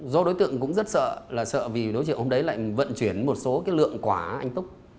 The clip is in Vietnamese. do đối tượng cũng rất sợ là sợ vì đối triệu hôm đấy lại vận chuyển một số cái lượng quả anh túc